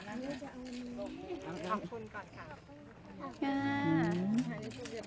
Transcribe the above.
ตั้งแต่นี้พอรู้สึกผมจำเป็นมีก็ขออยู่สินะ